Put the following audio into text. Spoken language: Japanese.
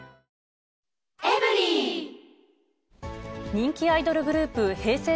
人気アイドルグループ、Ｈｅｙ！